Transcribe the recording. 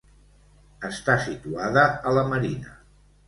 Està situada a la marina.